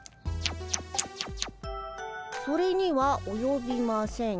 「それにはおよびません。